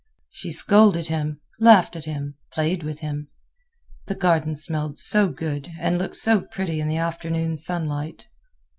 She scolded him, laughed at him, played with him. The garden smelled so good and looked so pretty in the afternoon sunlight.